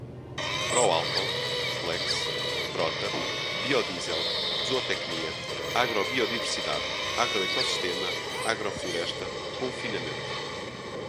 pró-álcool, flex, frota, biodiesel, zootecnia, agrobiodiversidade, agroecossistema, agrofloresta, confinamento